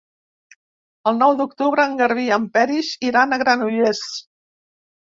El nou d'octubre en Garbí i en Peris iran a Granollers.